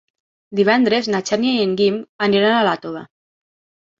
Divendres na Xènia i en Guim aniran a Iàtova.